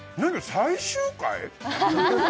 最終回？